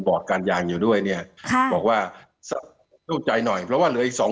การยางอยู่ด้วยเนี่ยค่ะบอกว่าโล่งใจหน่อยเพราะว่าเหลืออีกสอง